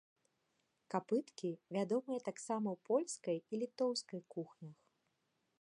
Капыткі вядомыя таксама ў польскай і літоўскай кухнях.